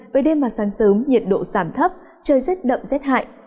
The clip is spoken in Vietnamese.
với đêm và sáng sớm nhiệt độ giảm thấp trời rất đậm rất hại